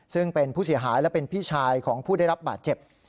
ซึ่งเป็นผู้เสียหายและเป็นพี่ชายของผู้ได้รับบาดเจ็บ